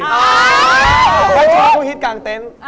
ไม่ช็อปทุกฮิตกลางเต้น